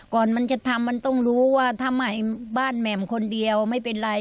ก่อนมันจะทำมันต้องรู้ว่าทำไมบ้านแหม่มคนเดียวไม่เป็นไร